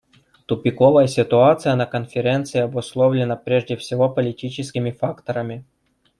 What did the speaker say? Тупиковая ситуация на Конференции обусловлена прежде всего политическими факторами.